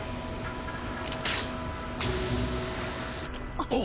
あっ！